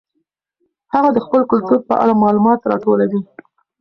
هغه د خپل کلتور په اړه معلومات راټولوي.